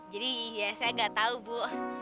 jadi ya saya gak tahu bu